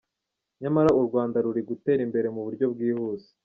Nyamara u Rwanda ruri gutera imbere mu buryo bwihuse.